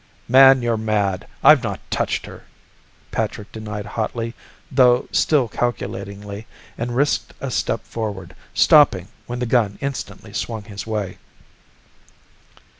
"Man, you're mad; I've not touched her!" Patrick denied hotly though still calculatingly, and risked a step forward, stopping when the gun instantly swung his way.